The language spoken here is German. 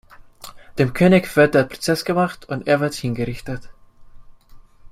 Dem König wird der Prozess gemacht und er wird hingerichtet.